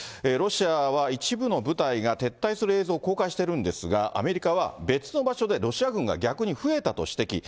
ロシアは一部の部隊が撤退する映像を公開してるんですが、アメリカは別の場所でロシア軍が逆に増えたと指摘。